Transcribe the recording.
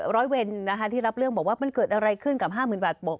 ร้อยเวรนะคะที่รับเรื่องบอกว่ามันเกิดอะไรขึ้นกับ๕๐๐๐บาท